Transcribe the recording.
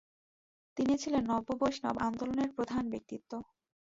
তিনি ছিলেন নব্যবৈষ্ণব আন্দোলনের প্রধান ব্যক্তিত্ব।